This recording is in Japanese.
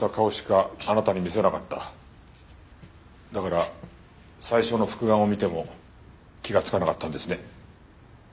だから最初の復顔を見ても気がつかなかったんですね？